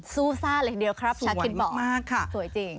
สู้ซ่าเหลือเดียวครับชักคิดบอกสวยมากค่ะสวยจริง